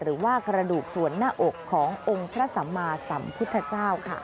หรือว่ากระดูกส่วนหน้าอกขององค์พระสัมมาสัมพุทธเจ้าค่ะ